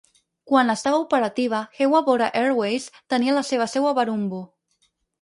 Quan estava operativa, Hewa Bora Airways tenia la seva seu a Barumbu.